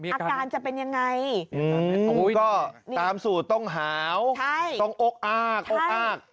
อาการจะเป็นยังไงก็ตามสูตรต้องหาวต้องอกอากอกอาก